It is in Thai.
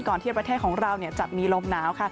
ก่อนที่ประเทศของเราจะมีลมหนาว